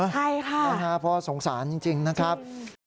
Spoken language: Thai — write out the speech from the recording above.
ใช่ค่ะเพราะสงสารจริงนะครับ